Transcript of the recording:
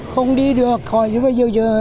không đi được thôi bây giờ giờ